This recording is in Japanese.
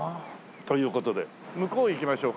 という事で向こう行きましょうかね。